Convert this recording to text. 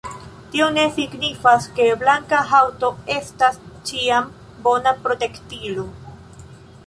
Tio ne signifas, ke blanka haŭto estas ĉiam bona protektilo.